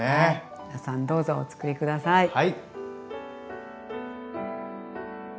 皆さんどうぞおつくり下さい。